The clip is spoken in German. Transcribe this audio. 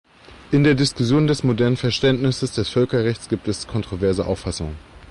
In der Diskussion des modernen Verständnisses des Völkerrechts gibt es kontroverse Auffassungen.